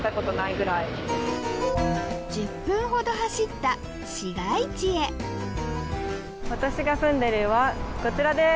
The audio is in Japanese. １０分ほど走った市街地へ私が住んでる家はこちらです。